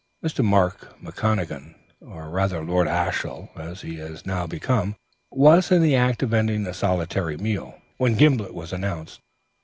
Mr. Mark McConachan, or rather Lord Ashiel, as he had now become, was in the act of ending a solitary meal, when Gimblet was announced.